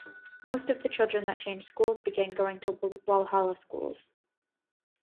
Most of the children that changed schools began going to Walhalla schools.